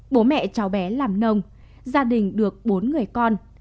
bố mẹ cháu bé làm nông gia đình được bốn người con